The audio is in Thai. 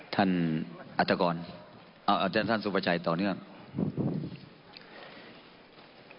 ท่านอัฐกรท่านสุภาชัยต่อหนึ่งครับ